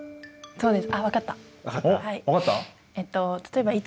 そうです。